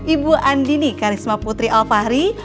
ibu andini karisma putri alfahri